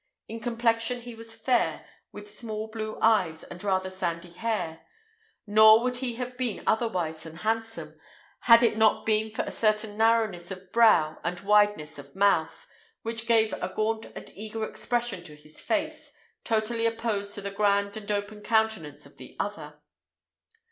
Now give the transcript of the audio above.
In complexion he was fair, with small blue eyes and rather sandy hair; nor would he have been otherwise than handsome, had it not been for a certain narrowness of brow and wideness of mouth, which gave a gaunt and eager expression to his face, totally opposed to the grand and open countenance of the other.